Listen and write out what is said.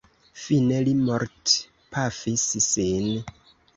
Fine li mortpafis sin.